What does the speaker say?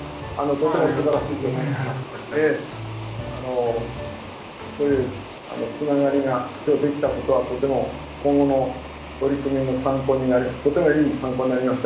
とてもすばらしい取り組みでこういうつながりが今日できたことはとても今後の取り組みの参考になりとてもいい参考になりました。